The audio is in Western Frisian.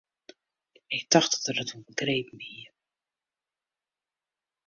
Ik tocht dat er it wol begrepen hie.